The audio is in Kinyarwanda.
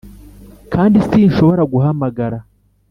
kandi sinshobora guhamagara